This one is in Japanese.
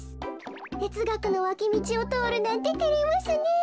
てつがくのわきみちをとおるなんててれますねえ。